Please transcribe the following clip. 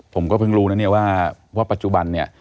ผมก็เพิ่งรู้นะเนี่ยว่าปัจจุบันเนี่ย